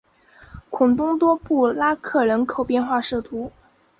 孔东多布拉克人口变化图示